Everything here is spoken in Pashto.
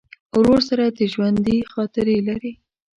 ورور سره د ژوندي خاطرې لرې.